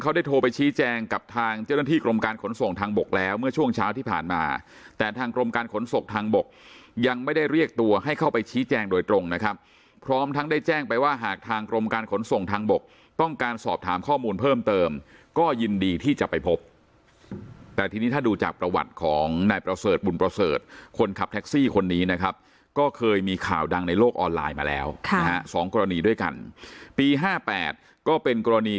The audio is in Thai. กรมการขนส่งทางบกยังไม่ได้เรียกตัวให้เข้าไปชี้แจงโดยตรงนะครับพร้อมทั้งได้แจ้งไปว่าหากทางกรมการขนส่งทางบกต้องการสอบถามข้อมูลเพิ่มเติมก็ยินดีที่จะไปพบแต่ทีนี้ถ้าดูจากประวัติของนายประเสริฐบุญประเสริฐคนขับแท็กซี่คนนี้นะครับก็เคยมีข่าวดังในโลกออนไลน์มาแล้วสองกรณีด้วยกันปี